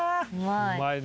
うまいね。